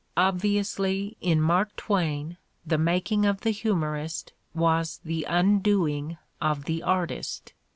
Obviously, in Mark Twain, the making of the humor ist was the undoing of the artist.